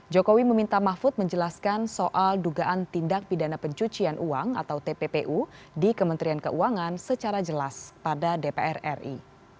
jokowi meminta mahfud menjelaskan soal dugaan tindak pidana pencucian uang atau tppu di kementerian keuangan secara jelas pada dpr ri